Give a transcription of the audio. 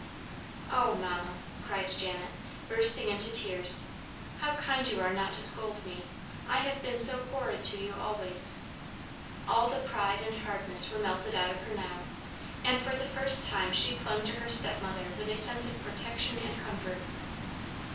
"Oh, Mamma!" cried Janet, bursting into tears. "How kind you are not to scold me! I have been so horrid to you always." All the pride and hardness were melted out of her now, and for the first time she clung to her stepmother with a sense of protection and comfort.